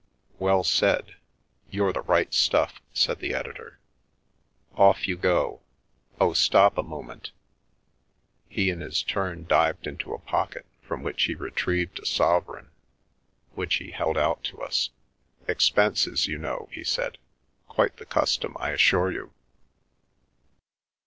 " Well said. You're the right stuff," said the editor. " Off you go. Oh, stop a moment " he, in his turn, dived into a pocket from which he retrieved a sovereign, which he held out to us. " Expenses, you know," he said ;" quite the custom, I assure you."